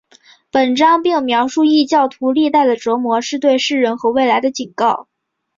本章并描述异教徒历代的折磨是对世人和未来的警告。